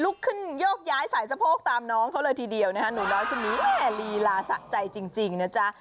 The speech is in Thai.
ลุกขึ้นโยกย้ายสายสะโพกตามน้องเขาเลยทีเดียวนะคะหนูน้อยคนนี้แม่ลีลาสะใจจริงนะจ๊ะ